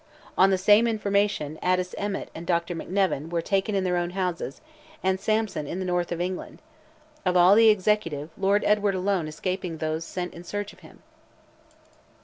On the same information. Addis Emmet and Dr. McNevin were taken in their own houses, and Sampson in the north of England: of all the executive, Lord Edward alone escaping those sent in search of him.